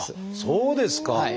そうですか！